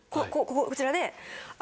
こちらで。